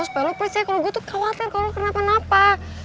supaya lo percaya kalau gue tuh khawatir kalau lo kenapa napa